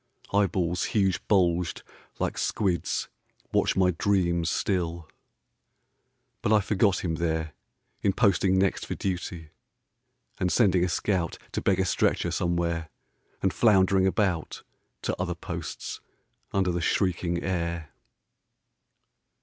Eyeballs, huge bulged like squids Watch my dreams still ; but I forgot him there In posting next for duty, and sending a scout To beg a stretcher somewhere, and floundering about To other posts under the shrieking air.